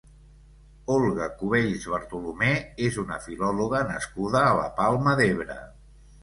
Olga Cubells Bartolomé és una filòloga nascuda a la Palma d'Ebre.